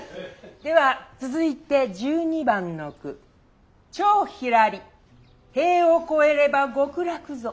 では続いて１２番の句「蝶ひらり塀を越えれば極楽ぞ」。